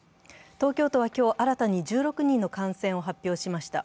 東京都は今日、新たに１６人の感染を発表しました。